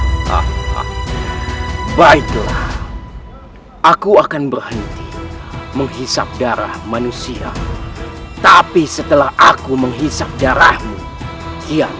hai baiklah aku akan berhenti menghisap darah manusia tapi setelah aku menghisap darahmu ia